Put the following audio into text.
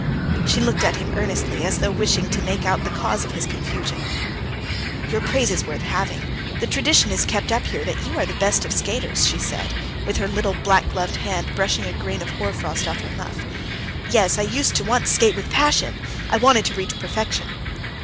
She looked at him earnestly, as though wishing to make out the cause of his confusion. "Your praise is worth having. The tradition is kept up here that you are the best of skaters," she said, with her little black gloved hand brushing a grain of hoarfrost off her muff. "Yes, I used once to skate with passion; I wanted to reach perfection."